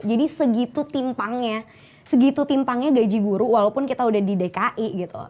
jadi segitu timpangnya gaji guru walaupun kita udah di dki gitu loh